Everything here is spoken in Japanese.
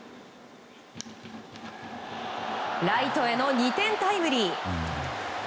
ライトへの２点タイムリー。